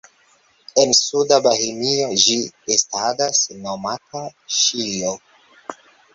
En suda Bohemio ĝi estadas nomata "ŝijo".